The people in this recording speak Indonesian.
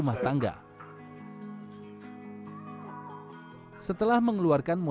ya hutannya dilarang nyari kayu ya